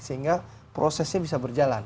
sehingga prosesnya bisa berjalan